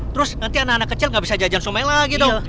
terus nanti anak anak kecil nggak bisa jajan sungai lagi dong